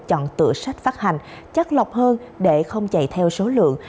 chọn tựa sách phát hành chắc lọc hơn để không chạy theo số lượng